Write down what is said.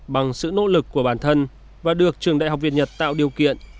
bằng sự nỗ lực của bản thân và được trường đại học việt nhật tạo điều kiện